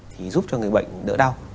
thì giúp cho người bệnh đỡ đau